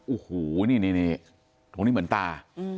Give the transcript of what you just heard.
โอ้โหนี่ตรงนี้เหมือนตา